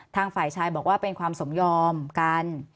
ทางฝ่ายชายบอกว่าเป็นความสมยอมกัน